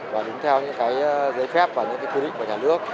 và đúng theo những cái giấy phép và những cái quy định của nhà nước